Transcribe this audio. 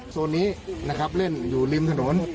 โซนนี้นะครับเล่นอยู่ริมถนน